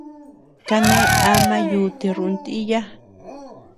Kane ama yuti runtíya.